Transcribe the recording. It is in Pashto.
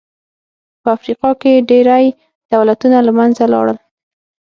په افریقا کې ډېری دولتونه له منځه لاړل.